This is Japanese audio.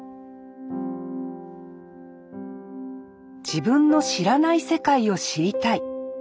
自分の知らない世界を知りたい。